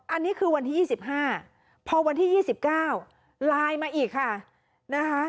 อันนี้คือวันที่๒๕พอวันที่๒๙ไลน์มาอีกค่ะนะคะ